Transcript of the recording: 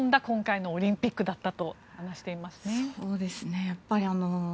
今回のオリンピックだったと話していますね。